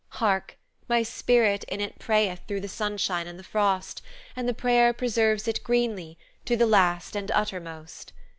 Hark! my spirit in it prayeth Through the sunshine and the frost, And the prayer preserves it greenly, to the last and uttermost.